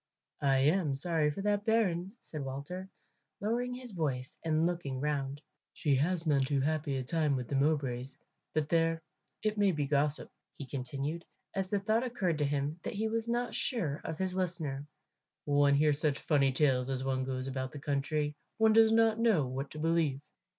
"I am sorry for that bairn," said Walter, lowering his voice and looking round; "she has none too happy a time with the Mowbrays. But there, it may be gossip," he continued, as the thought occurred to him that he was not sure of his listener. "One hears such funny tales as one goes about the country; one does not know what to believe."